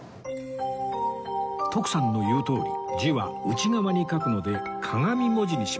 徳さんの言うとおり字は内側に書くので鏡文字にします